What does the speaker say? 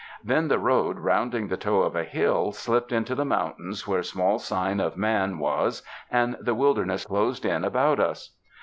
Then the road, rounding the toe of a hill, slipped into the mountains where small sign of man was and the wilderness closed in about us.